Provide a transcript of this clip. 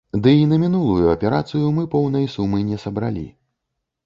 Ды і на мінулую аперацыю мы поўнай сумы не сабралі.